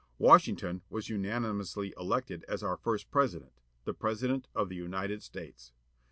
Washington was unanimously elected as our first President â the President of the United States.